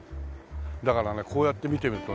だからねこうやって見てみるとね